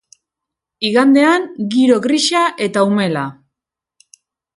Igandean, giro grisa eta umela.